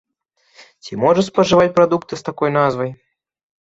Ці можна спажываць прадукты з такой назвай?